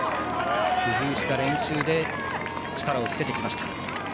工夫した練習で力をつけてきました。